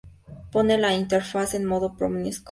Pone la interfaz en modo promiscuo.